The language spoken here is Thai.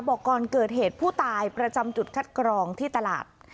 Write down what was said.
บอกก่อนเกิดเหตุผู้ตายประจำจุดคัดกรองที่ตลาด